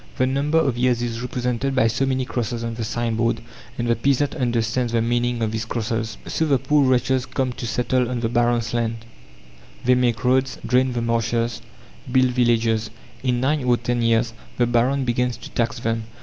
The number of years is represented by so many crosses on the sign board, and the peasant understands the meaning of these crosses. So the poor wretches come to settle on the baron's lands. They make roads, drain the marshes, build villages. In nine or ten years the baron begins to tax them.